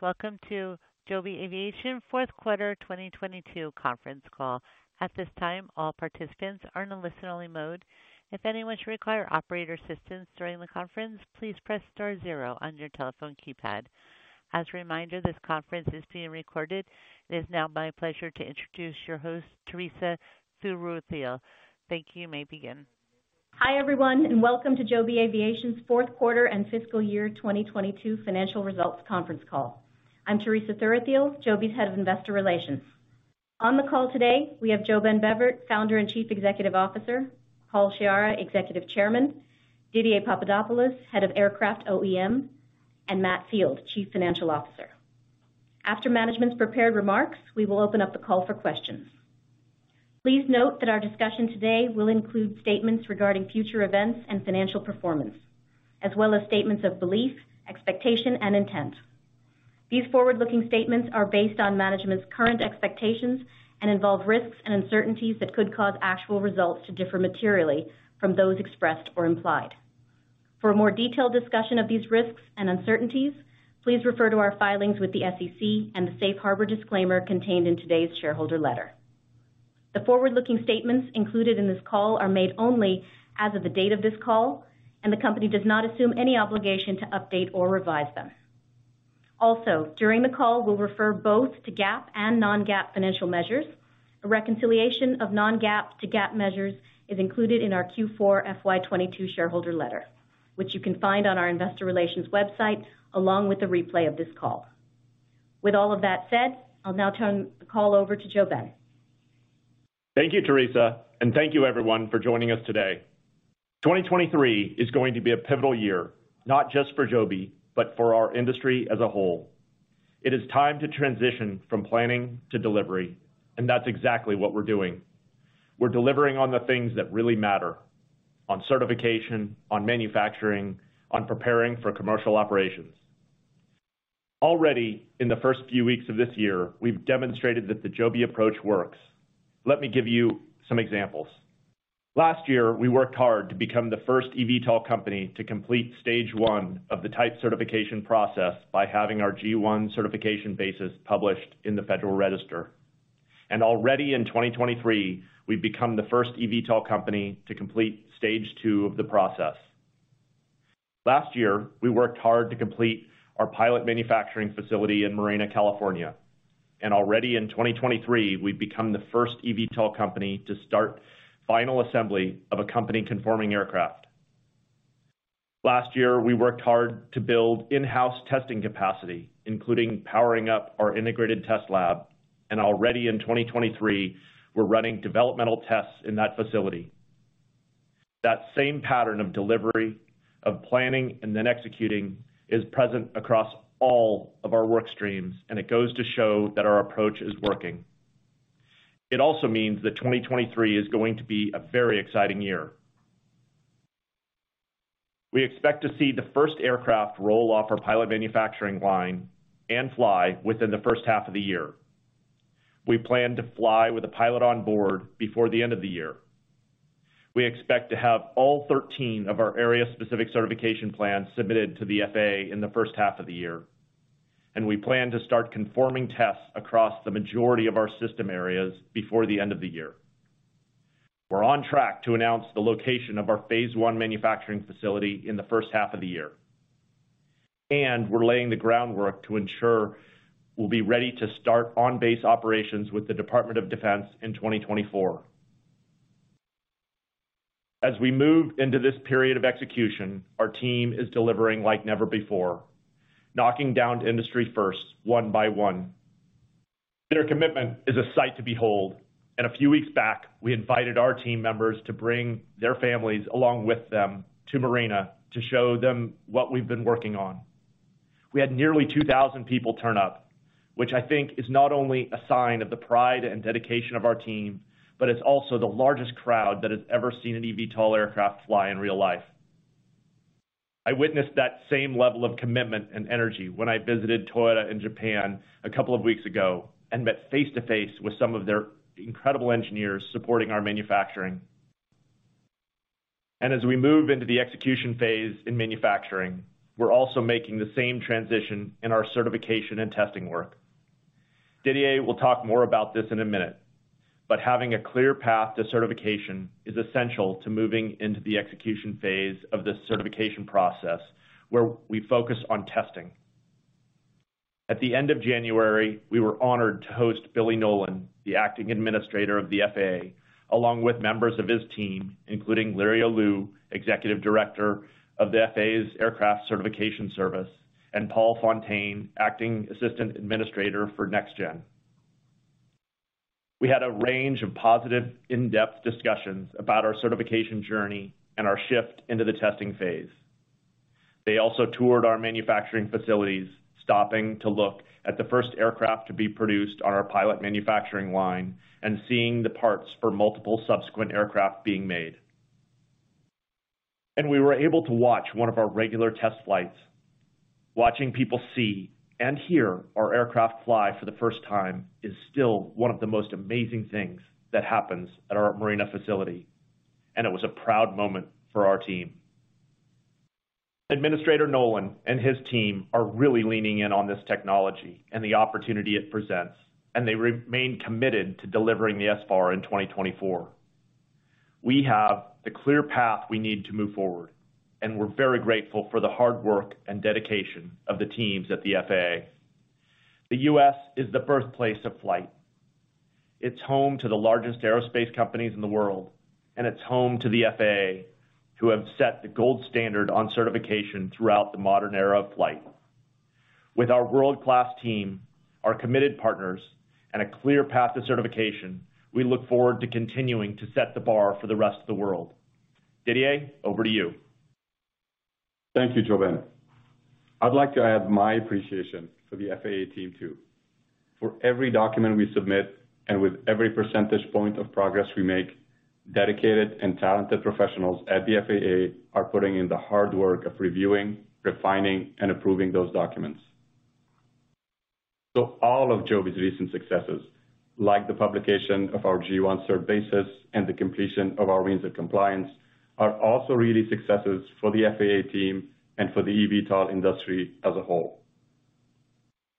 Welcome to Joby Aviation Q4 2022 conference call. At this time, all participants are in a listen-only mode. If anyone should require operator assistance during the conference, please press * 0 on your telephone keypad. As a reminder, this conference is being recorded. It is now my pleasure to introduce your host, Teresa Thuruthiyil. Thank you. You may begin. Hi, everyone, welcome to Joby Aviation's Q4 and fiscal year 2022 financial results conference call. I'm Teresa Thuruthiyil, Joby's Head of Investor Relations. On the call today, we have JoeBen Bevirt, Founder and Chief Executive Officer, Paul Sciarra, Executive Chairman, Didier Papadopoulos, Head of Aircraft OEM, and Matt Field, Chief Financial Officer. After management's prepared remarks, we will open up the call for questions. Please note that our discussion today will include statements regarding future events and financial performance, as well as statements of belief, expectation and intent. These forward-looking statements are based on management's current expectations and involve risks and uncertainties that could cause actual results to differ materially from those expressed or implied. For a more detailed discussion of these risks and uncertainties, please refer to our filings with the SEC and the safe harbor disclaimer contained in today's shareholder letter. The forward-looking statements included in this call are made only as of the date of this call, and the company does not assume any obligation to update or revise them. During the call, we'll refer both to GAAP and non-GAAP financial measures. A reconciliation of non-GAAP to GAAP measures is included in our Q4 FY22 shareholder letter, which you can find on our investor relations website, along with the replay of this call. With all of that said, I'll now turn the call over to JoeBen. Thank you, Teresa. Thank you everyone for joining us today. 2023 is going to be a pivotal year, not just for Joby, but for our industry as a whole. It is time to transition from planning to delivery. That's exactly what we're doing. We're delivering on the things that really matter, on certification, on manufacturing, on preparing for commercial operations. Already in the 1st few weeks of this year, we've demonstrated that the Joby approach works. Let me give you some examples. Last year, we worked hard to become the 1st eVTOL company to complete stage 1 of the type certification process by having our G-1 certification basis published in the Federal Register. Already in 2023, we've become the 1st eVTOL company to complete stage 2 of the process. Last year, we worked hard to complete our pilot manufacturing facility in Marina, California. Already in 2023, we've become the first eVTOL company to start final assembly of a company conforming aircraft. Last year, we worked hard to build in-house testing capacity, including powering up our Integrated Test Lab. Already in 2023, we're running developmental tests in that facility. That same pattern of delivery, of planning and then executing is present across all of our work streams, and it goes to show that our approach is working. It also means that 2023 is going to be a very exciting year. We expect to see the 1st aircraft roll off our pilot manufacturing line and fly within the H1 of the year. We plan to fly with a pilot on board before the end of the year. We expect to have all 13 of our Area-Specific Certification Plans submitted to the FAA in the H1 of the year. We plan to start conforming tests across the majority of our system areas before the end of the year. We're on track to announce the location of our phase I manufacturing facility in the H1 of the year. We're laying the groundwork to ensure we'll be ready to start on-base operations with the Department of Defense in 2024. As we move into this period of execution, our team is delivering like never before, knocking down industry firsts 1 by 1. Their commitment is a sight to behold. A few weeks back, we invited our team members to bring their families along with them to Marina to show them what we've been working on. We had nearly 2,000 people turn up, which I think is not only a sign of the pride and dedication of our team, but it's also the largest crowd that has ever seen an eVTOL aircraft fly in real life. I witnessed that same level of commitment and energy when I visited Toyota in Japan a couple of weeks ago and met face-to-face with some of their incredible engineers supporting our manufacturing. As we move into the execution phase in manufacturing, we're also making the same transition in our certification and testing work. Didier will talk more about this in a minute, but having a clear path to certification is essential to moving into the execution phase of this certification process, where we focus on testing. At the end of January, we were honored to host Billy Nolen, the Acting Administrator of the FAA, along with members of his team, including Lirio Liu, Executive Director of the FAA's Aircraft Certification Service, and Paul Fontaine, Acting Assistant Administrator for NextGen. We had a range of positive in-depth discussions about our certification journey and our shift into the testing phase. They also toured our manufacturing facilities, stopping to look at the 1st aircraft to be produced on our pilot manufacturing line and seeing the parts for multiple subsequent aircraft being made. We were able to watch 1 of our regular test flights. Watching people see and hear our aircraft fly for the first time is still 1 of the most amazing things that happens at our Marina facility, and it was a proud moment for our team. Administrator Nolen and his team are really leaning in on this technology and the opportunity it presents, and they remain committed to delivering the SFAR in 2024. We have the clear path we need to move forward, we're very grateful for the hard work and dedication of the teams at the FAA. The U.S. is the birthplace of flight. It's home to the largest aerospace companies in the world, it's home to the FAA, who have set the gold standard on certification throughout the modern era of flight. With our world-class team, our committed partners, and a clear path to certification, we look forward to continuing to set the bar for the rest of the world. Didier, over to you. Thank you, JoeBen. I'd like to add my appreciation for the FAA team too. For every document we submit and with every % point of progress we make, dedicated and talented professionals at the FAA are putting in the hard work of reviewing, refining, and approving those documents. All of Joby's recent successes, like the publication of our G1 cert basis and the completion of our means of compliance, are also really successes for the FAA team and for the eVTOL industry as a whole.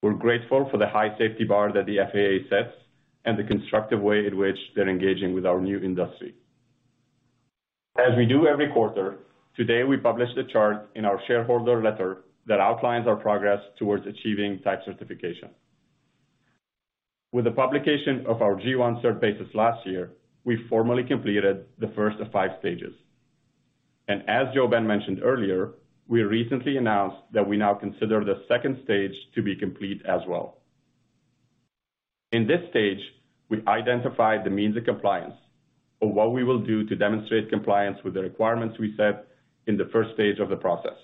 We're grateful for the high safety bar that the FAA sets and the constructive way in which they're engaging with our new industry. As we do every quarter, today we published a chart in our shareholder letter that outlines our progress towards achieving type certification. With the publication of our G1 cert basis last year, we formally completed the first of 5 stages. As JoeBen mentioned earlier, we recently announced that we now consider the 2nd stage to be complete as well. In this stage, we identified the means of compliance of what we will do to demonstrate compliance with the requirements we set in the 1st stage of the process.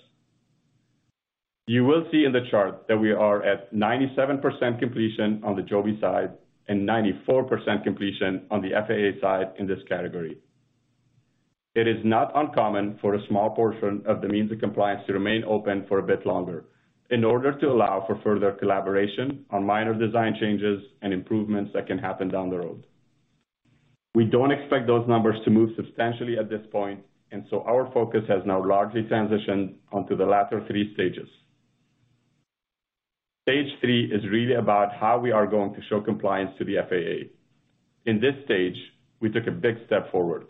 You will see in the chart that we are at 97% completion on the Joby side and 94% completion on the FAA side in this category. It is not uncommon for a small portion of the means of compliance to remain open for a bit longer in order to allow for further collaboration on minor design changes and improvements that can happen down the road. We don't expect those numbers to move substantially at this point, our focus has now largely transitioned onto the latter 3 stages. Stage 3 is really about how we are going to show compliance to the FAA. In this stage, we took a big step forward.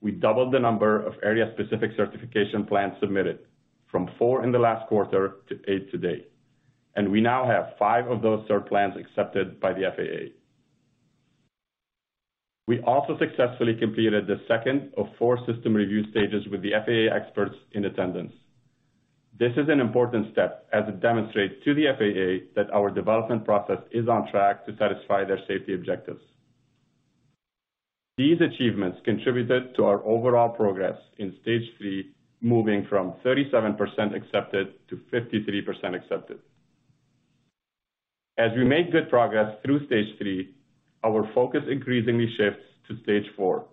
We doubled the number of area-specific certification plans submitted from 4 in the last quarter to 8 to date, and we now have 5 of those cert plans accepted by the FAA. We also successfully completed the 2nd of 4 system review stages with the FAA experts in attendance. This is an important step as it demonstrates to the FAA that our development process is on track to satisfy their safety objectives. These achievements contributed to our overall progress in Stage 3, moving from 37% accepted to 53% accepted. As we make good progress through Stage 3, our focus increasingly shifts to Stage 4,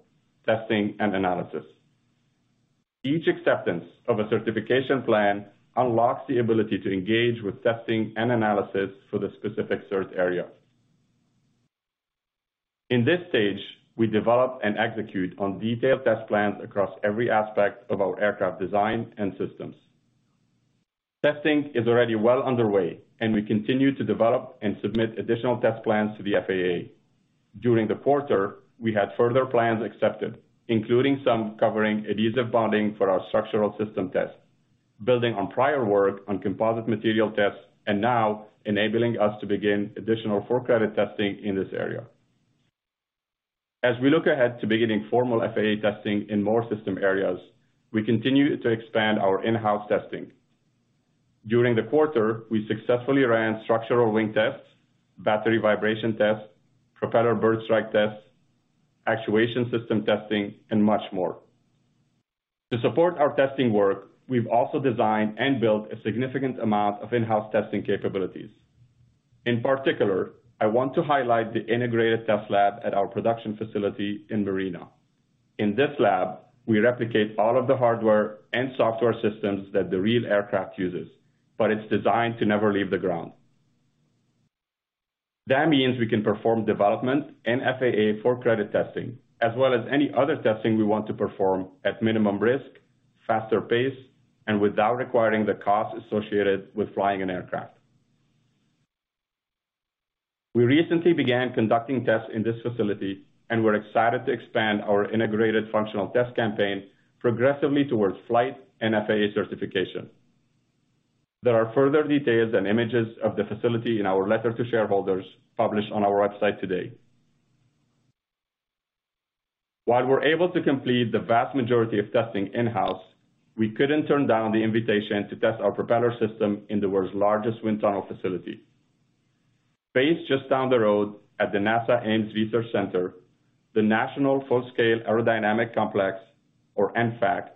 testing and analysis. Each acceptance of a certification plan unlocks the ability to engage with testing and analysis for the specific cert area. In this stage, we develop and execute on detailed test plans across every aspect of our aircraft design and systems. Testing is already well underway, and we continue to develop and submit additional test plans to the FAA. During the quarter, we had further plans accepted, including some covering adhesive bonding for our structural system test, building on prior work on composite material tests, and now enabling us to begin additional for-credit testing in this area. As we look ahead to beginning formal FAA testing in more system areas, we continue to expand our in-house testing. During the quarter, we successfully ran structural wing tests, battery vibration tests, propeller bird strike tests, actuation system testing, and much more. To support our testing work, we've also designed and built a significant amount of in-house testing capabilities. In particular, I want to highlight the Integrated Test Lab at our production facility in Marina. In this lab, we replicate all of the hardware and software systems that the real aircraft uses, but it's designed to never leave the ground. That means we can perform development and FAA for credit testing as well as any other testing we want to perform at minimum risk, faster pace, and without requiring the cost associated with flying an aircraft. We recently began conducting tests in this facility and we're excited to expand our integrated functional test campaign progressively towards flight and FAA certification. There are further details and images of the facility in our letter to shareholders published on our website today. While we're able to complete the vast majority of testing in-house, we couldn't turn down the invitation to test our propeller system in the world's largest wind tunnel facility. Based just down the road at the NASA Ames Research Center, the National Full-Scale Aerodynamic Complex, or NFAC,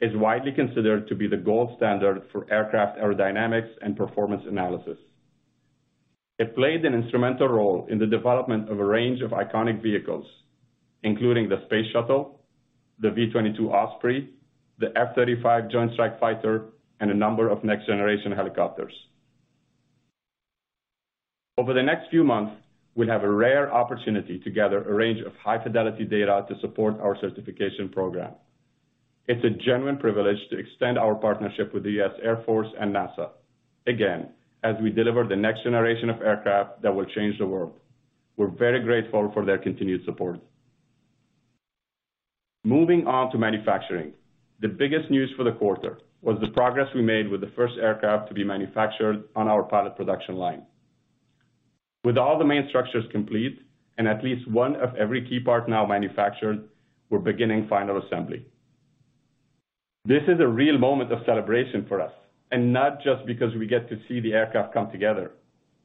is widely considered to be the gold standard for aircraft aerodynamics and performance analysis. It played an instrumental role in the development of a range of iconic vehicles, including the Space Shuttle, the V-22 Osprey, the F-35 Joint Strike Fighter, and a number of next-generation helicopters. Over the next few months, we'll have a rare opportunity to gather a range of high-fidelity data to support our certification program. It's a genuine privilege to extend our partnership with the U.S. Air Force and NASA again, as we deliver the next generation of aircraft that will change the world. We're very grateful for their continued support. Moving on to manufacturing. The biggest news for the quarter was the progress we made with the 1st aircraft to be manufactured on our pilot production line. With all the main structures complete and at least 1 of every key part now manufactured, we're beginning final assembly. This is a real moment of celebration for us, and not just because we get to see the aircraft come together.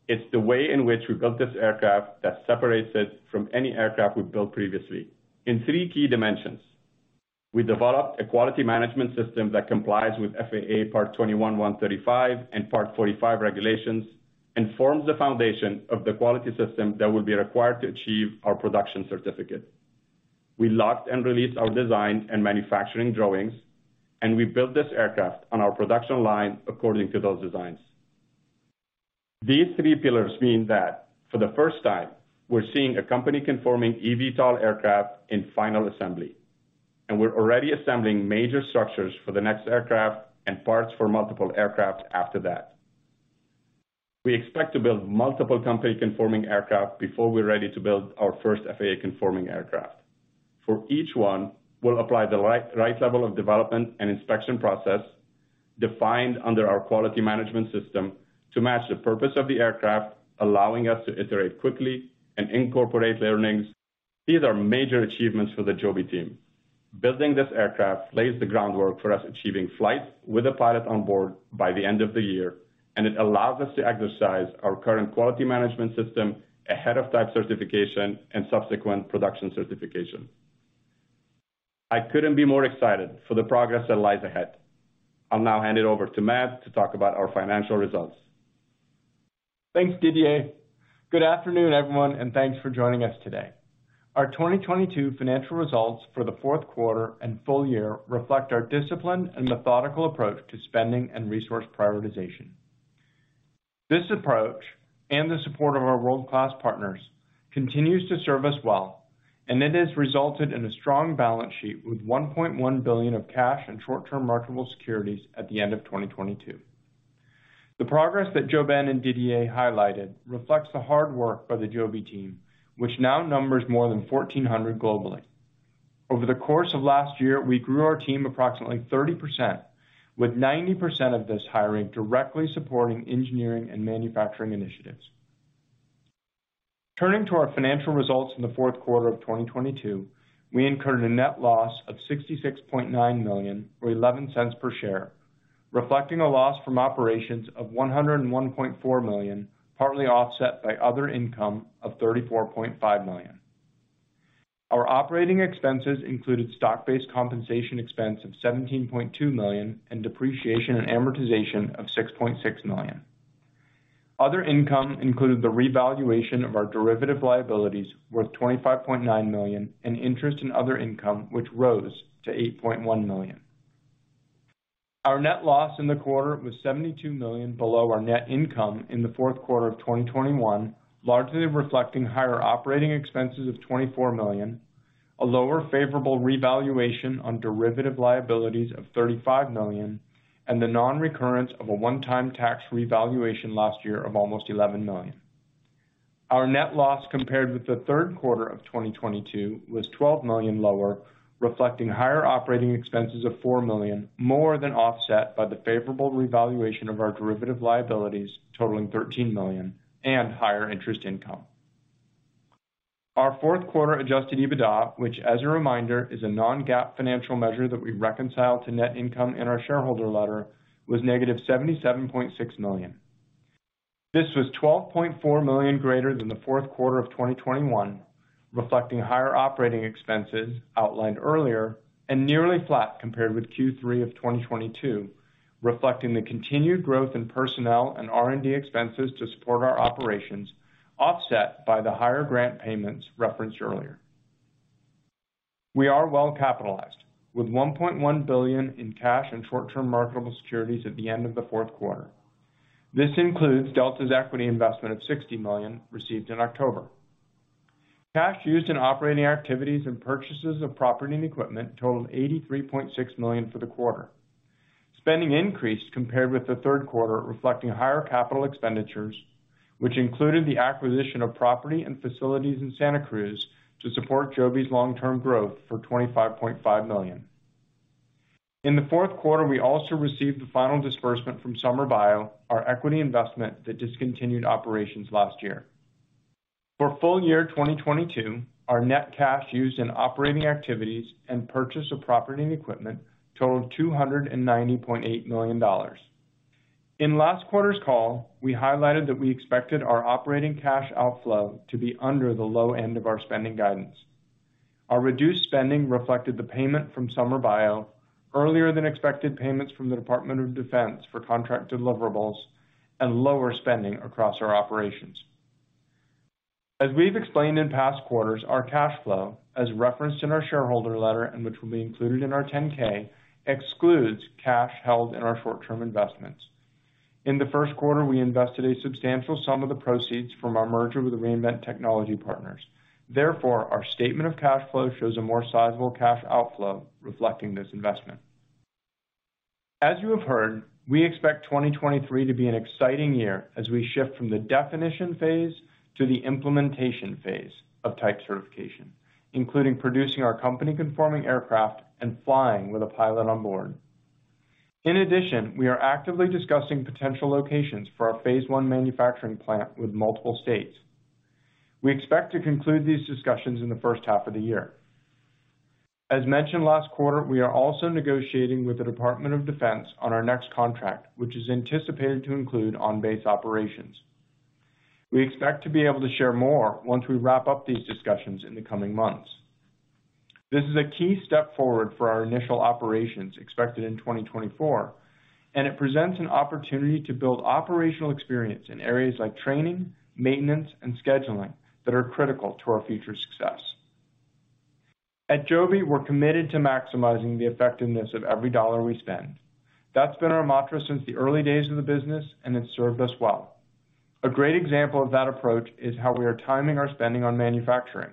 It's the way in which we built this aircraft that separates it from any aircraft we've built previously. In 3 key dimensions, we developed a quality management system that complies with FAA Part 21, 135, and Part 45 regulations, and forms the foundation of the quality system that will be required to achieve our production certificate. We locked and released our designs and manufacturing drawings, and we built this aircraft on our production line according to those designs. These 3 pillars mean that for the first time, we're seeing a company-conforming eVTOL aircraft in final assembly, and we're already assembling major structures for the next aircraft and parts for multiple aircraft after that. We expect to build multiple company-conforming aircraft before we're ready to build our 1st FAA-conforming aircraft. For each 1, we'll apply the right level of development and inspection process defined under our quality management system to match the purpose of the aircraft, allowing us to iterate quickly and incorporate learnings. These are major achievements for the Joby team. Building this aircraft lays the groundwork for us achieving flight with a pilot on board by the end of the year, and it allows us to exercise our current quality management system ahead of type certification and subsequent production certification. I couldn't be more excited for the progress that lies ahead. I'll now hand it over to Matt to talk about our financial results. Thanks, Didier. Good afternoon, everyone, and thanks for joining us today. Our 2022 financial results for the Q4 and full year reflect our discipline and methodical approach to spending and resource prioritization. This approach, and the support of our world-class partners, continues to serve us well, and it has resulted in a strong balance sheet with $1.1 billion of cash and short-term marketable securities at the end of 2022. The progress that JoeBen and Didier highlighted reflects the hard work by the Joby team, which now numbers more than 1,400 globally. Over the course of last year, we grew our team approximately 30%, with 90% of this hiring directly supporting engineering and manufacturing initiatives. Turning to our financial results in the Q4 of 2022, we incurred a net loss of $66.9 million or $0.11 per share, reflecting a loss from operations of $101.4 million, partly offset by other income of $34.5 million. Our operating expenses included stock-based compensation expense of $17.2 million and depreciation and amortization of $6.6 million. Other income included the revaluation of our derivative liabilities worth $25.9 million and interest in other income which rose to $8.1 million. Our net loss in the quarter was $72 million below our net income in the Q4 of 2021, largely reflecting higher operating expenses of $24 million, a lower favorable revaluation on derivative liabilities of $35 million, and the non-recurrence of a one-time tax revaluation last year of almost $11 million. Our net loss compared with the Q3 of 2022 was $12 million lower, reflecting higher operating expenses of $4 million, more than offset by the favorable revaluation of our derivative liabilities totaling $13 million and higher interest income. Our Q4 Adjusted EBITDA, which as a reminder, is a non-GAAP financial measure that we reconcile to net income in our shareholder letter, was -$77.6 million. This was $12.4 million greater than the Q4 of 2021, reflecting higher operating expenses outlined earlier and nearly flat compared with Q3 of 2022, reflecting the continued growth in personnel and R&D expenses to support our operations, offset by the higher grant payments referenced earlier. We are well capitalized with $1.1 billion in cash and short-term marketable securities at the end of the Q4. This includes Delta's equity investment of $60 million received in October. Cash used in operating activities and purchases of property and equipment totaled $83.6 million for the quarter. Spending increased compared with the Q3, reflecting higher capital expenditures, which included the acquisition of property and facilities in Santa Cruz to support Joby's long-term growth for $25.5 million. In the Q4, we also received the final disbursement from SummerBio, our equity investment that discontinued operations last year. For full year 2022, our net cash used in operating activities and purchase of property and equipment totaled $290.8 million. In last quarter's call, we highlighted that we expected our operating cash outflow to be under the low end of our spending guidance. Our reduced spending reflected the payment from SummerBio, earlier than expected payments from the Department of Defense for contract deliverables, and lower spending across our operations. As we've explained in past quarters, our cash flow, as referenced in our shareholder letter and which will be included in our 10-K, excludes cash held in our short-term investments. In the Q1, we invested a substantial sum of the proceeds from our merger with Reinvent Technology Partners. Therefore, our statement of cash flow shows a more sizable cash outflow reflecting this investment. As you have heard, we expect 2023 to be an exciting year as we shift from the definition phase to the implementation phase of type certification, including producing our company-conforming aircraft and flying with a pilot on board. In addition, we are actively discussing potential locations for our phase I manufacturing plant with multiple states. We expect to conclude these discussions in the H1 of the year. As mentioned last quarter, we are also negotiating with the Department of Defense on our next contract, which is anticipated to include on-base operations. We expect to be able to share more once we wrap up these discussions in the coming months. This is a key step forward for our initial operations expected in 2024, it presents an opportunity to build operational experience in areas like training, maintenance, and scheduling that are critical to our future success. At Joby, we're committed to maximizing the effectiveness of every dollar we spend. That's been our mantra since the early days of the business, it's served us well. A great example of that approach is how we are timing our spending on manufacturing.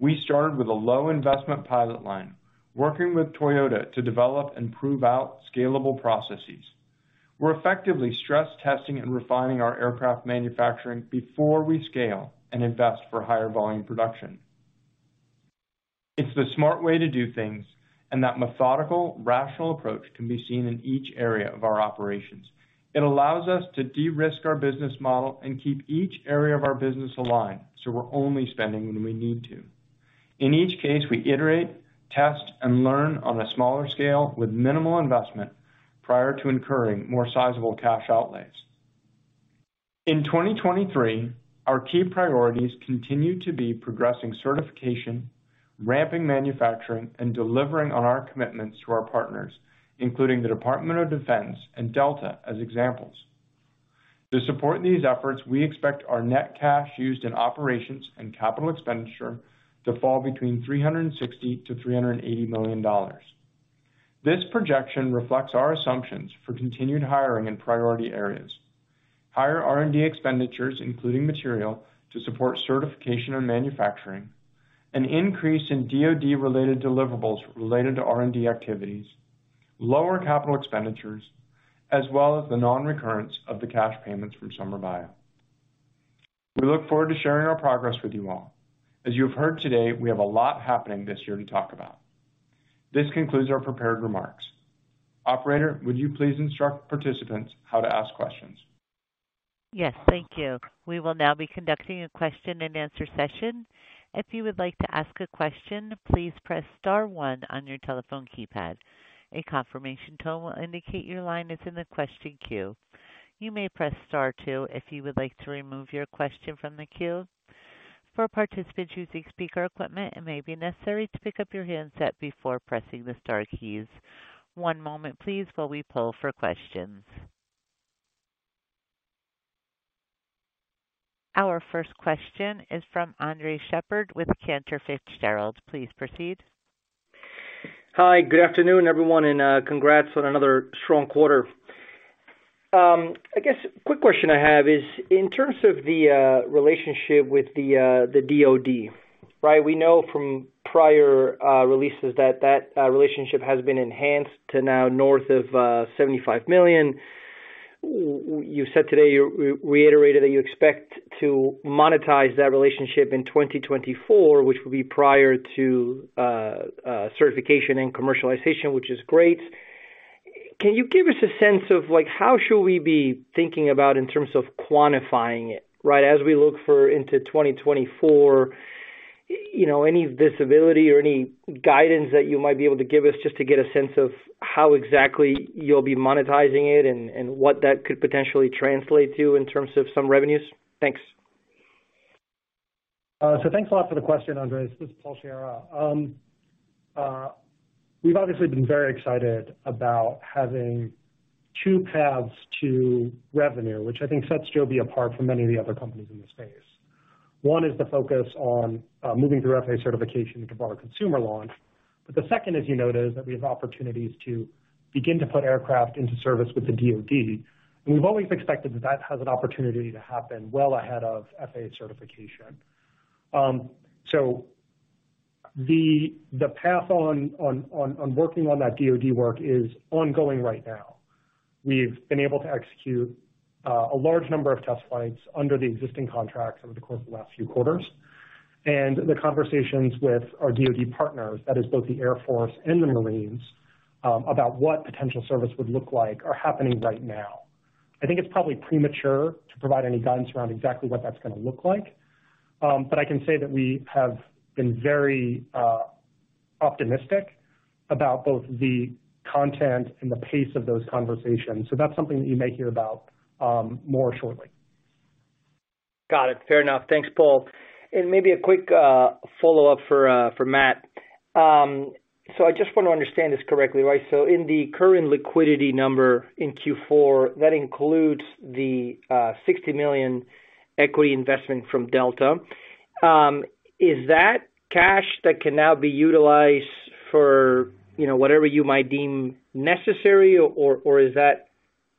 We started with a low-investment pilot line, working with Toyota to develop and prove out scalable processes. We're effectively stress testing and refining our aircraft manufacturing before we scale and invest for higher volume production. It's the smart way to do things, and that methodical, rational approach can be seen in each area of our operations. It allows us to de-risk our business model and keep each area of our business aligned, so we're only spending when we need to. In each case, we iterate, test, and learn on a smaller scale with minimal investment prior to incurring more sizable cash outlays. In 2023, our key priorities continue to be progressing certification, ramping manufacturing, and delivering on our commitments to our partners, including the Department of Defense and Delta as examples. To support these efforts, we expect our net cash used in operations and capital expenditure to fall between $360 million to $380 million. This projection reflects our assumptions for continued hiring in priority areas, higher R&D expenditures, including material to support certification and manufacturing, an increase in DoD-related deliverables related to R&D activities, lower capital expenditures, as well as the non-recurrence of the cash payments from SummerBio. We look forward to sharing our progress with you all. As you have heard today, we have a lot happening this year to talk about. This concludes our prepared remarks. Operator, would you please instruct participants how to ask questions? Yes. Thank you. We will now be conducting a question-and-answer session. If you would like to ask a question, please press * 1 on your telephone keypad. A confirmation tone will indicate your line is in the question queue. You may press * 2 if you would like to remove your question from the queue. For participants using speaker equipment, it may be necessary to pick up your handset before pressing the star keys. One moment please while we poll for questions. Our 1st question is from Andres Sheppard with Cantor Fitzgerald. Please proceed. Hi. Good afternoon, everyone, and congrats on another strong quarter. I guess quick question I have is in terms of the relationship with the DoD, right? We know from prior releases that that relationship has been enhanced to now north of $75 million. You said today you reiterated that you expect to monetize that relationship in 2024, which will be prior to certification and commercialization, which is great. Can you give us a sense of, like, how should we be thinking about in terms of quantifying it, right? As we look for into 2024, you know, any visibility or any guidance that you might be able to give us just to get a sense of how exactly you'll be monetizing it and what that could potentially translate to in terms of some revenues? Thanks. Thanks a lot for the question, Andres. This is Paul Sciarra. We've obviously been very excited about having 2 paths to revenue, which I think sets Joby apart from many of the other companies in the space. 1 is the focus on moving through FAA certification to support our consumer launch. The 2nd, as you noted, is that we have opportunities to begin to put aircraft into service with the DoD. We've always expected that that has an opportunity to happen well ahead of FAA certification. The path on working on that DoD work is ongoing right now. We've been able to execute a large number of test flights under the existing contracts over the course of the last few quarters. The conversations with our DoD partners, that is both the Air Force and the Marines, about what potential service would look like are happening right now. I think it's probably premature to provide any guidance around exactly what that's going to look like. I can say that we have been very optimistic about both the content and the pace of those conversations. That's something that you may hear about more shortly. Got it. Fair enough. Thanks, Paul. Maybe a quick follow-up for Matt. I just want to understand this correctly, right? In the current liquidity number in Q4, that includes the $60 million equity investment from Delta Air Lines. Is that cash that can now be utilized for, you know, whatever you might deem necessary or is that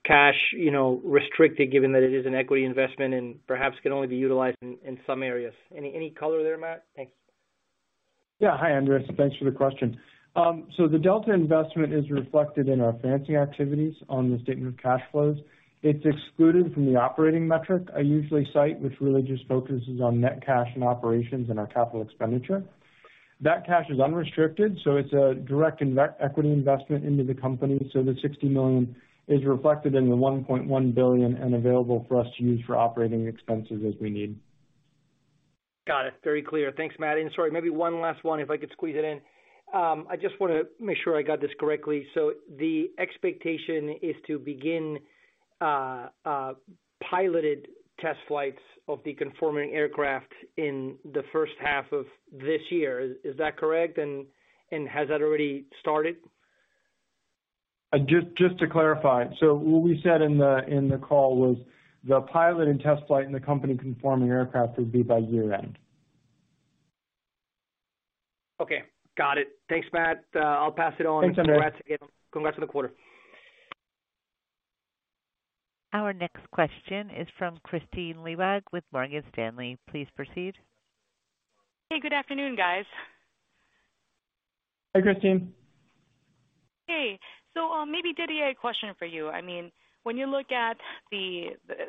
cash, you know, restricted given that it is an equity investment and perhaps can only be utilized in some areas? Any color there, Matt? Thanks. Hi, Andres. Thanks for the question. The Delta investment is reflected in our financing activities on the statement of cash flows. It's excluded from the operating metric I usually cite, which really just focuses on net cash and operations and our capital expenditure. That cash is unrestricted, so it's a direct equity investment into the company. The $60 million is reflected in the $1.1 billion and available for us to use for operating expenses as we need. Got it. Very clear. Thanks, Matt. Sorry, maybe 1 last one if I could squeeze it in. I just wanna make sure I got this correctly. The expectation is to begin piloted test flights of the conforming aircraft in the H1 of this year. Is that correct? Has that already started? just to clarify. What we said in the call was the pilot and test flight in the company conforming aircraft would be by year-end. Okay, got it. Thanks, Matt. I'll pass it on. Thanks, Andres. Congrats, again. Congrats on the quarter. Our next question is from Kristine Liwag with Morgan Stanley. Please proceed. Hey, good afternoon, guys. Hi, Kristine. Hey. Maybe Didier, a question for you. I mean, when you look at,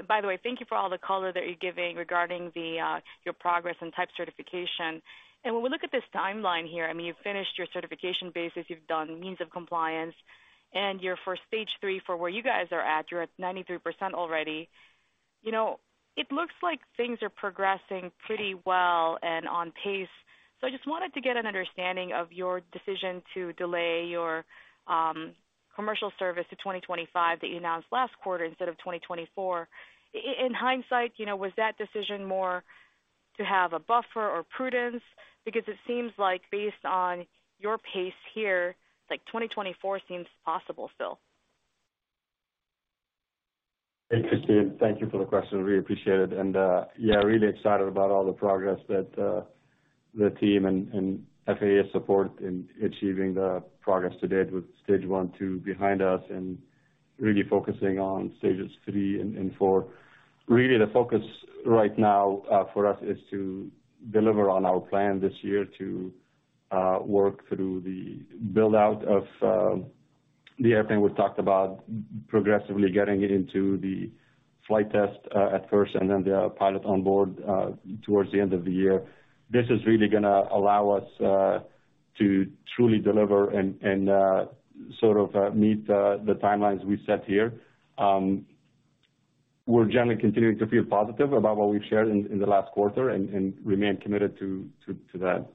by the way, thank you for all the color that you're giving regarding your progress and type certification. When we look at this timeline here, I mean, you've finished your certification basis, you've done means of compliance, and your for stage 3 for where you guys are at, you're at 93% already. You know, it looks like things are progressing pretty well and on pace. I just wanted to get an understanding of your decision to delay your commercial service to 2025 that you announced last quarter instead of 2024. In hindsight, you know, was that decision more to have a buffer or prudence? It seems like based on your pace here, like, 2024 seems possible still. Hey, Kristine. Thank you for the question. Really appreciate it. Really excited about all the progress that the team and FAA support in achieving the progress to date with stage 1, 2 behind us and really focusing on stages 3 and 4. Really the focus right now for us is to deliver on our plan this year to work through the build-out of the airplane we've talked about, progressively getting it into the flight test at first and then the pilot on board towards the end of the year. This is really gonna allow us to truly deliver and meet the timelines we set here. We're generally continuing to feel positive about what we've shared in the last quarter and remain committed to that.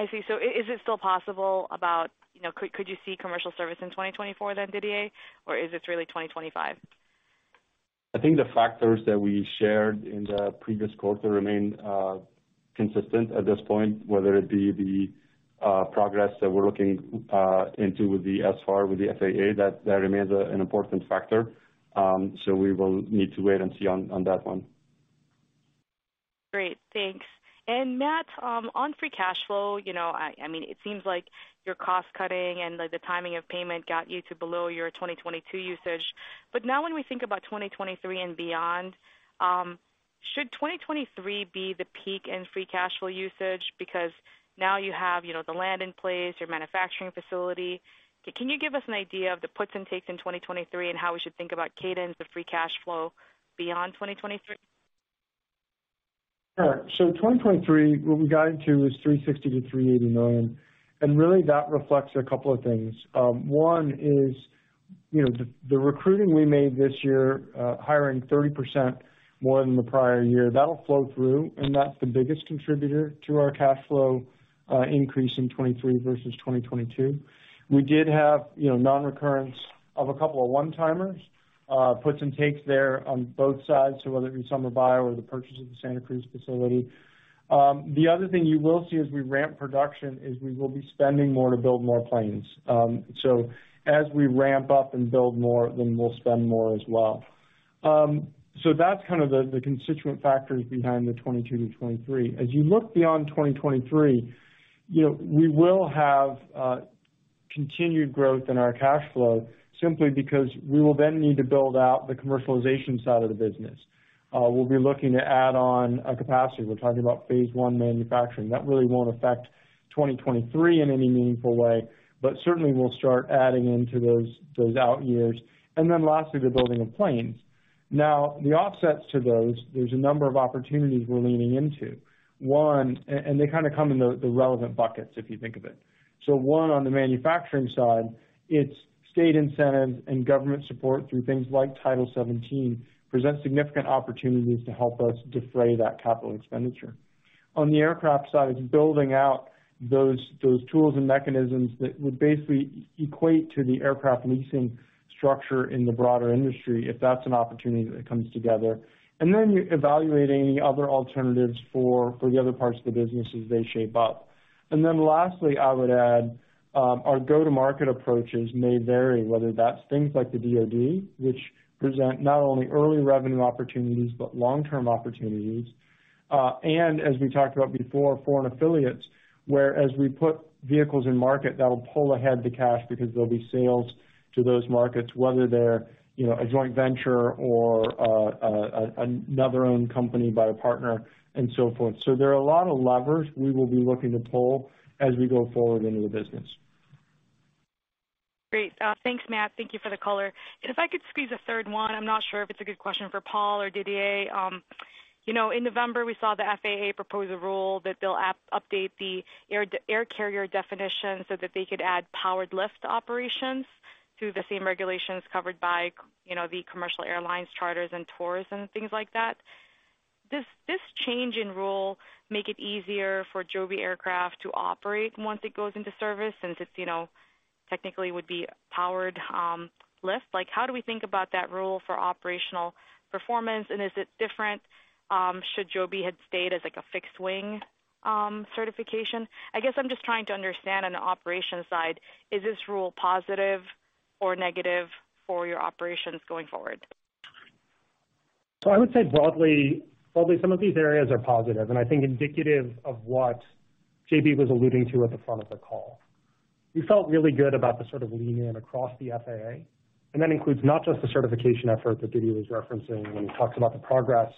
I see. Is it still possible about, you know, could you see commercial service in 2024 then, Didier, or is this really 2025? I think the factors that we shared in the previous quarter remain consistent at this point, whether it be the progress that we're looking into with the SFAR with the FAA, that remains an important factor. We will need to wait and see on that one. Great. Thanks. Matt, on free cash flow, you know, I mean, it seems like your cost-cutting and the timing of payment got you to below your 2022 usage. Now when we think about 2023 and beyond, should 2023 be the peak in free cash flow usage? Because now you have, you know, the land in place, your manufacturing facility. Can you give us an idea of the puts and takes in 2023 and how we should think about cadence of free cash flow beyond 2023? In 2023, what we guided to is $360 million to $380 million, that really reflects a couple of things. 1 is, you know, the recruiting we made this year, hiring 30% more than the prior year. That'll flow through, and that's the biggest contributor to our cash flow increase in 2023 versus 2022. We did have, you know, non-recurrence of a couple of one-timers, puts and takes there on both sides. Whether it be SummerBio or the purchase of the Santa Cruz facility. The other thing you will see as we ramp production is we will be spending more to build more planes. As we ramp up and build more, we'll spend more as well. That's kind of the constituent factors behind the 2022 to 2023. As you look beyond 2023, you know, we will have continued growth in our cash flow simply because we will then need to build out the commercialization side of the business. We'll be looking to add on a capacity. We're talking about phase I manufacturing. That really won't affect 2023 in any meaningful way, but certainly we'll start adding into those out years. Lastly, the building of planes. The offsets to those, there's a number of opportunities we're leaning into. 1 and they kinda come in the relevant buckets, if you think of it. 1, on the manufacturing side, it's state incentives and government support through things like Title XVII present significant opportunities to help us defray that capital expenditure. On the aircraft side, it's building out those tools and mechanisms that would basically equate to the aircraft leasing structure in the broader industry, if that's an opportunity that comes together. Evaluating other alternatives for the other parts of the business as they shape up. Lastly, I would add, our go-to-market approaches may vary, whether that's things like the DoD, which present not only early revenue opportunities but long-term opportunities. As we talked about before, foreign affiliates, where as we put vehicles in market, that will pull ahead the cash because there'll be sales to those markets, whether they're, you know, a joint venture or another owned company by a partner and so forth. There are a lot of levers we will be looking to pull as we go forward into the business. Great. Thanks, Matt. Thank you for the color. If I could squeeze a 3rd one, I'm not sure if it's a good question for Paul or Didier. You know, in November, we saw the FAA propose a rule that they'll update the air carrier definition so that they could add powered-lift operations to the same regulations covered by, you know, the commercial airlines, charters and tours and things like that. Does this change in rule make it easier for Joby aircraft to operate once it goes into service, since it's, you know, technically would be powered-lift? Like, how do we think about that rule for operational performance? Is it different, should Joby had stayed as, like a fixed wing, certification? I guess I'm just trying to understand on the operations side, is this rule positive or negative for your operations going forward? I would say broadly, some of these areas are positive, and I think indicative of what JB was alluding to at the front of the call. We felt really good about the sort of lean in across the FAA, and that includes not just the certification effort that Didier was referencing when he talks about the progress,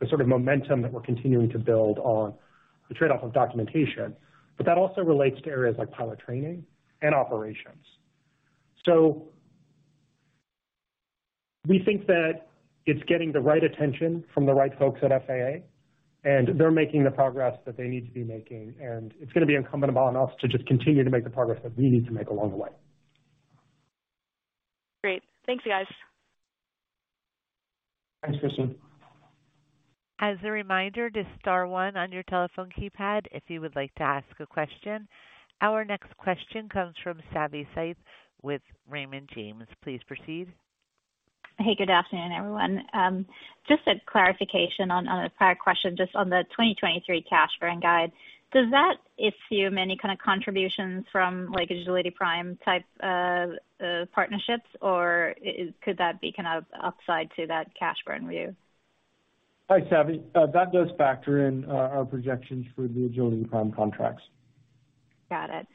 the sort of momentum that we're continuing to build on the trade-off of documentation. That also relates to areas like pilot training and operations. We think that it's getting the right attention from the right folks at FAA, and they're making the progress that they need to be making, and it's going to be incumbent upon us to just continue to make the progress that we need to make along the way. Great. Thanks, guys. Thanks, Kristine. As a reminder to * 1 on your telephone keypad if you would like to ask a question. Our next question comes from Savi Syth with Raymond James. Please proceed. Hey, good afternoon, everyone. Just a clarification on a prior question, just on the 2023 cash burn guide. Does that issue many kind of contributions from, like, Agility Prime type partnerships or could that be kind of upside to that cash burn review? Hi, Savi. That does factor in our projections for the Agility Prime contracts. Got it.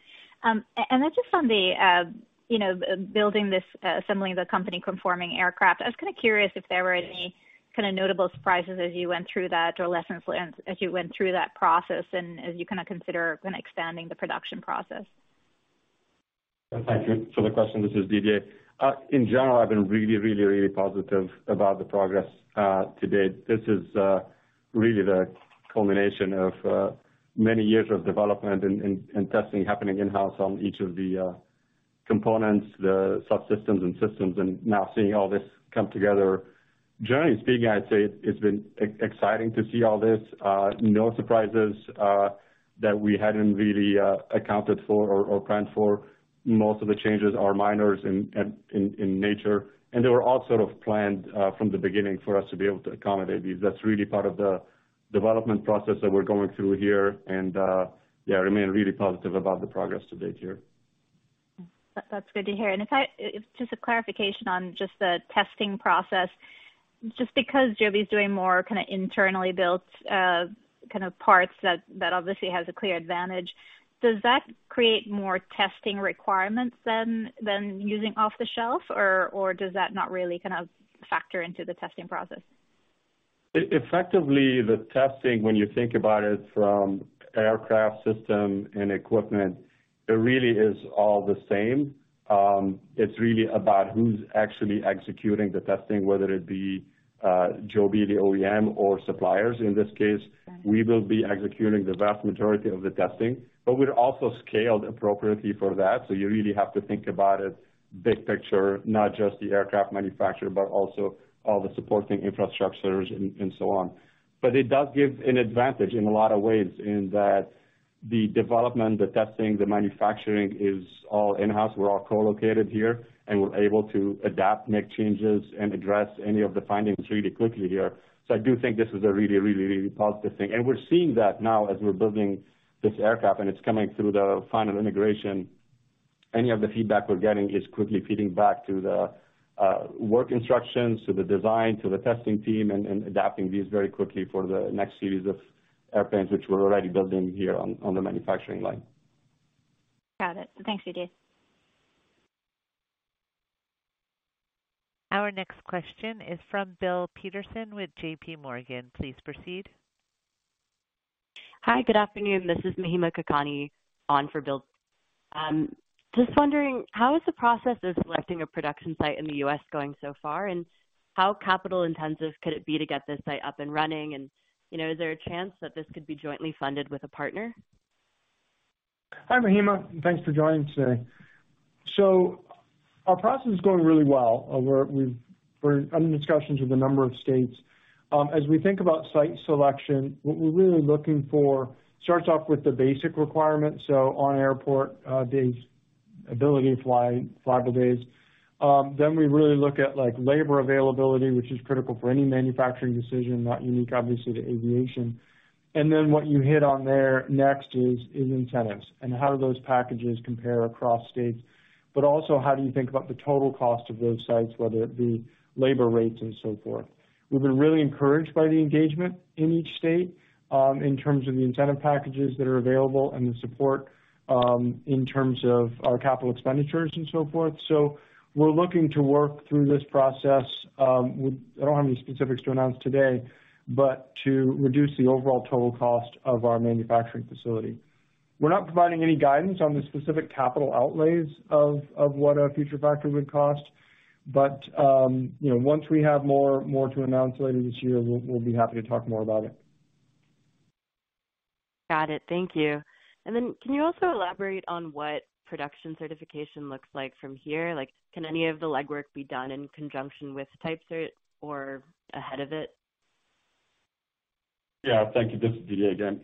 Just on the, you know, building this, assembling the company conforming aircraft, I was kind of curious if there were any kind of notable surprises as you went through that or lessons as you went through that process and as you kind of consider when expanding the production process. Thank you for the question. This is Didier. In general, I've been really positive about the progress to date. This is really the culmination of many years of development and testing happening in-house on each of the components, the subsystems and systems, and now seeing all this come together. Generally speaking, I'd say it's been exciting to see all this. No surprises that we hadn't really accounted for or planned for. Most of the changes are minors in nature, and they were all sort of planned from the beginning for us to be able to accommodate these. That's really part of the development process that we're going through here. Remain really positive about the progress to date here. That's good to hear. Just a clarification on just the testing process. Just because Joby is doing more kind of internally built, kind of parts that obviously has a clear advantage, does that create more testing requirements than using off the shelf or does that not really kind of factor into the testing process? Effectively, the testing, when you think about it from aircraft system and equipment, it really is all the same. It's really about who's actually executing the testing, whether it be Joby, the OEM or suppliers. In this case, we will be executing the vast majority of the testing. We're also scaled appropriately for that. You really have to think about it big picture, not just the aircraft manufacturer, but also all the supporting infrastructures and so on. It does give an advantage in a lot of ways in that the development, the testing, the manufacturing is all in-house. We're all co-located here, and we're able to adapt, make changes and address any of the findings really quickly here. I do think this is a really, really, really positive thing. We're seeing that now as we're building this aircraft and it's coming through the final integration. Any of the feedback we're getting is quickly feeding back to the work instructions, to the design, to the testing team and adapting these very quickly for the next series of airplanes which we're already building here on the manufacturing line. Got it. Thanks, Didier. Our next question is from Bill Peterson with JPMorgan. Please proceed. Hi, good afternoon. This is Mahima Kakani on for Bill. Just wondering how is the process of selecting a production site in the U.S. going so far, and how capital intensive could it be to get this site up and running? You know, is there a chance that this could be jointly funded with a partner? Hi, Mahima, thanks for joining today. Our process is going really well. We're under discussions with a number of states. As we think about site selection, what we're really looking for starts off with the basic requirements, so on airport, days, ability to fly, flyable days. Then we really look at, like, labor availability, which is critical for any manufacturing decision, not unique, obviously, to aviation. Then what you hit on there next is incentives and how do those packages compare across states. Also how do you think about the total cost of those sites, whether it be labor rates and so forth. We've been really encouraged by the engagement in each state, in terms of the incentive packages that are available and the support, in terms of our capital expenditures and so forth. We're looking to work through this process. I don't have any specifics to announce today, but to reduce the overall total cost of our manufacturing facility. We're not providing any guidance on the specific capital outlays of what a future factory would cost. You know, once we have more to announce later this year, we'll be happy to talk more about it. Got it. Thank you. Can you also elaborate on what production certification looks like from here? Like, can any of the legwork be done in conjunction with type cert or ahead of it? Thank you. This is Didier again.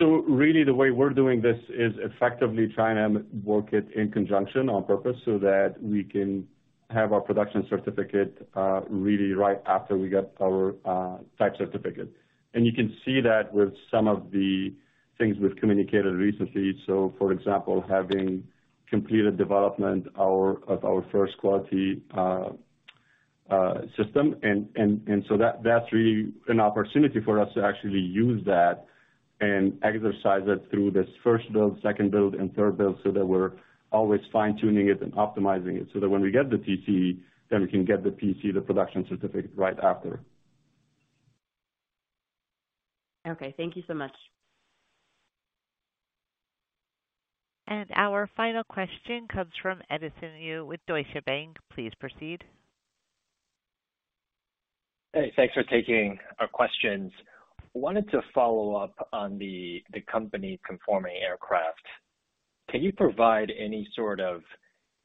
Really the way we're doing this is effectively trying to work it in conjunction on purpose so that we can have our production certificate, really right after we get our type certificate. You can see that with some of the things we've communicated recently. For example, having completed development of our 1st quality system. That's really an opportunity for us to actually use that and exercise it through this 1st build, 2nd build and 3rd build so that we're always fine-tuning it and optimizing it so that when we get the TC, then we can get the PC, the production certificate right after. Okay, thank you so much. Our final question comes from Edison Yu with Deutsche Bank. Please proceed. Hey, thanks for taking our questions. Wanted to follow up on the company conforming aircraft. Can you provide any sort of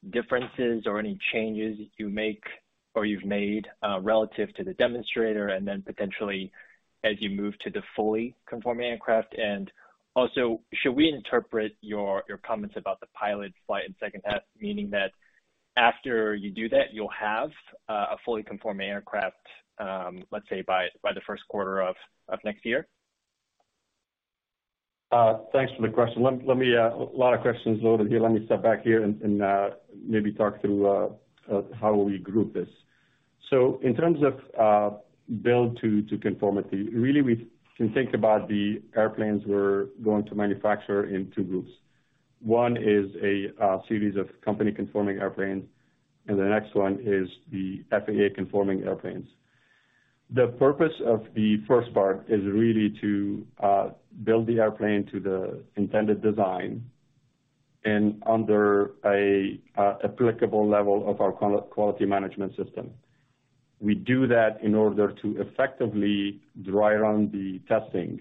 differences or any changes you make or you've made relative to the demonstrator and then potentially as you move to the fully conforming aircraft? Also should we interpret your comments about the pilot flight in H2, meaning that after you do that, you'll have a fully conforming aircraft, let's say by the Q1 of next year? Thanks for the question. Let me. A lot of questions loaded here. Let me step back here and maybe talk through how we group this. In terms of build to conformity, really we can think about the airplanes we're going to manufacture in 2 groups. 1 is a series of company conforming airplanes, and the next one is the FAA conforming airplanes. The purpose of the 1st part is really to build the airplane to the intended design and under a applicable level of our quality management system. We do that in order to effectively dry run the testing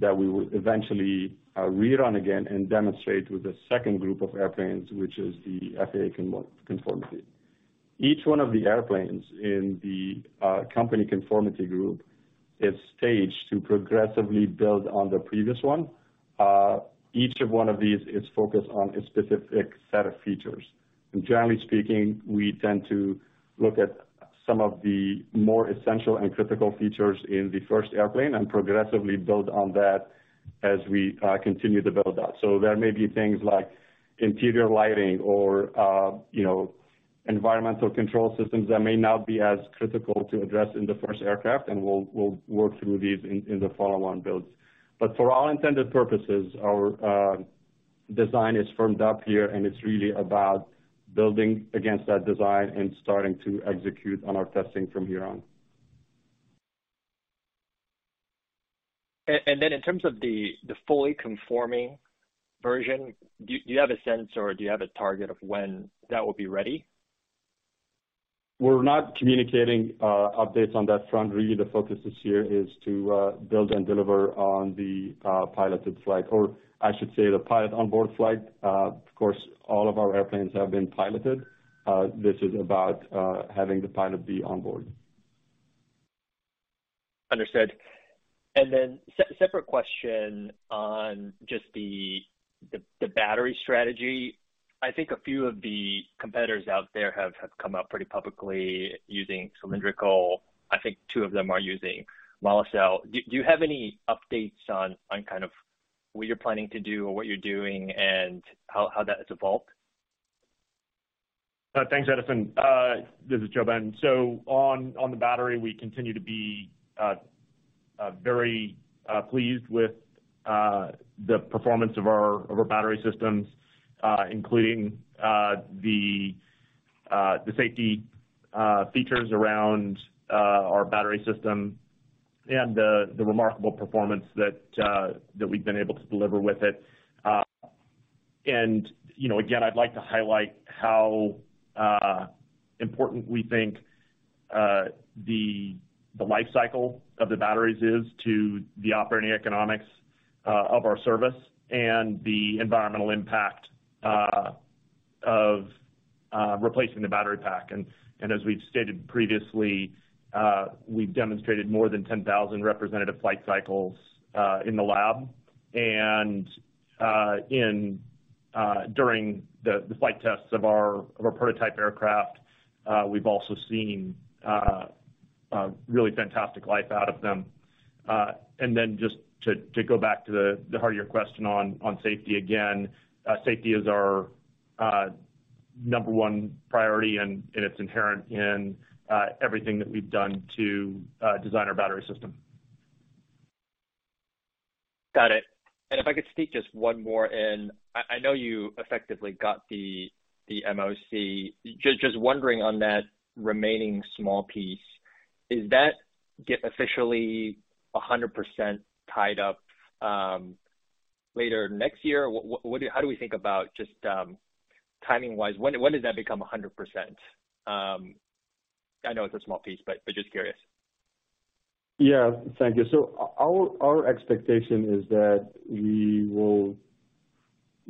that we would eventually rerun again and demonstrate with a 2nd group of airplanes, which is the FAA conformity. Each 1 of the airplanes in the company conformity group is staged to progressively build on the previous one. Each of 1 of these is focused on a specific set of features. Generally speaking, we tend to look at some of the more essential and critical features in the 1st airplane and progressively build on that as we continue to build out. There may be things like interior lighting or, you know, environmental control systems that may not be as critical to address in the 1st aircraft, and we'll work through these in the follow-on builds. For all intended purposes, our design is firmed up here, and it's really about building against that design and starting to execute on our testing from here on. In terms of the fully conforming version, do you have a sense or do you have a target of when that will be ready? We're not communicating updates on that front. Really the focus this year is to build and deliver on the piloted flight or I should say the pilot on board flight. Of course, all of our airplanes have been piloted. This is about having the pilot be on board. Understood. Separate question on just the battery strategy. I think a few of the competitors out there have come out pretty publicly using cylindrical. I think 2 of them are using MAHLE cell. Do you have any updates on kind of what you're planning to do or what you're doing and how that has evolved? Thanks, Edison. This is JoeBen. On the battery, we continue to be very pleased with the performance of our battery systems, including the safety features around our battery system and the remarkable performance that we've been able to deliver with it. You know, again, I'd like to highlight how important we think the life cycle of the batteries is to the operating economics of our service and the environmental impact of replacing the battery pack. As we've stated previously, we've demonstrated more than 10,000 representative flight cycles in the lab. During the flight tests of our prototype aircraft, we've also seen a really fantastic life out of them. Then just to go back to the heart of your question on safety again, safety is our number 1 priority, and it's inherent in everything that we've done to design our battery system. Got it. If I could sneak just 1 more in. I know you effectively got the MOC. Just wondering on that remaining small piece, is that get officially 100% tied up later next year? How do we think about just timing-wise? When does that become 100%? I know it's a small piece, but just curious. Thank you. Our expectation is that we will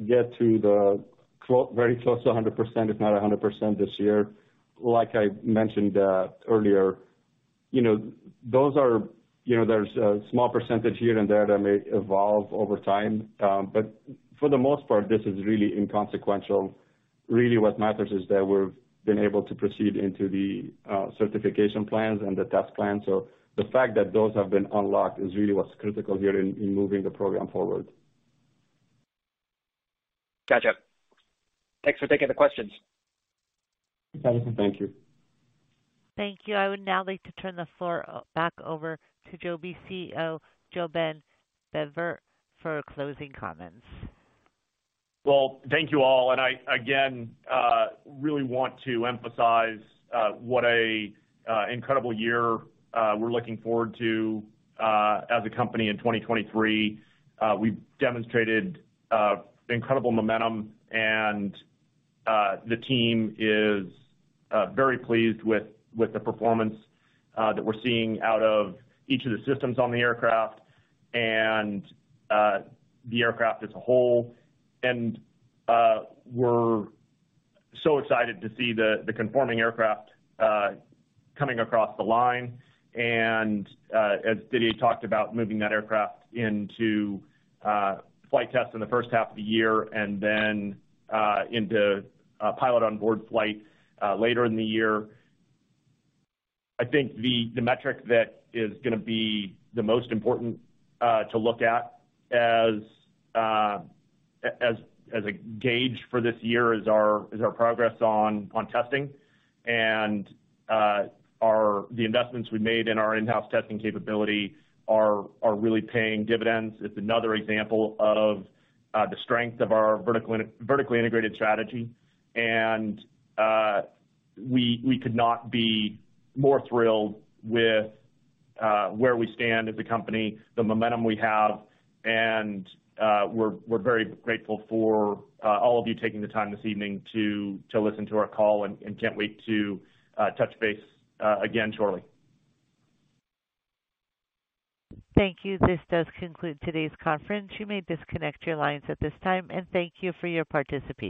get to very close to 100%, if not 100% this year. Like I mentioned earlier, you know, those are, you know, there's a small % here and there that may evolve over time. For the most part, this is really inconsequential. Really what matters is that we've been able to proceed into the certification plans and the test plan. The fact that those have been unlocked is really what's critical here in moving the program forward. Gotcha. Thanks for taking the questions. Thank you. Thank you. I would now like to turn the floor back over to Joby CEO, JoeBen Bevirt for closing comments. Well, thank you all. I again, really want to emphasize what an incredible year we're looking forward to as a company in 2023. We've demonstrated incredible momentum and the team is very pleased with the performance that we're seeing out of each of the systems on the aircraft and the aircraft as a whole. We're so excited to see the conforming aircraft coming across the line and as Didier talked about, moving that aircraft into flight tests in the H1 of the year and then into pilot on board flight later in the year. I think the metric that is gonna be the most important to look at as a gauge for this year is our, is our progress on testing. And the investments we made in our in-house testing capability are really paying dividends. It's another example of the strength of our vertically integrated strategy. And we could not be more thrilled with where we stand as a company, the momentum we have, and we're very grateful for all of you taking the time this evening to listen to our call and can't wait to touch base again shortly. Thank you. This does conclude today's conference. You may disconnect your lines at this time, and thank you for your participation.